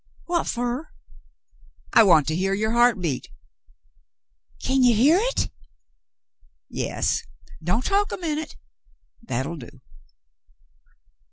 "Whatfer?" I want to hear your heart beat." Kin you hear hit ?" Yes — don't talk, a minute, — that'll do.